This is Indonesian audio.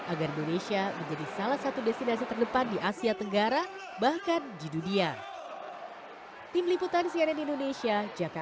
agar indonesia menjadi salah satu destinasi terdepan di asia tenggara bahkan di dunia